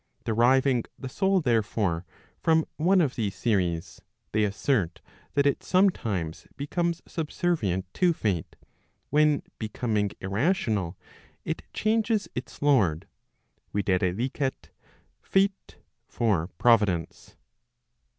Deriving the soul, therefore, from one of these series, they assert that it sometimes becomes subservient to Fate, when becoming irrational it changes its lord, viz. Fate for Providence.